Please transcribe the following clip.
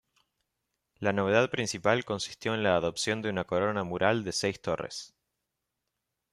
La novedad principal consistió en la adopción de una corona mural de seis torres.